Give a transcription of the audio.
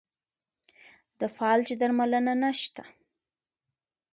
د فلج درملنه نشته.